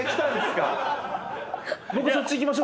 僕そっちいきましょうか。